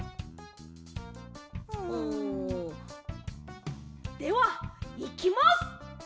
ん？ではいきます！